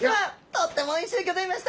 とってもおいしゅうギョざいました！